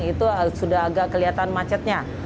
itu sudah agak kelihatan macetnya